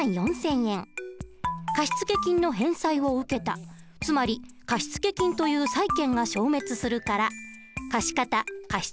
貸付金の返済を受けたつまり貸付金という債権が消滅するから貸方貸付金